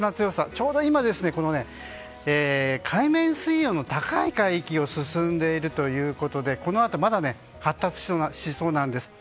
ちょうど今海面水温の高い海域を進んでいるということでこのあとまだ発達しそうなんです。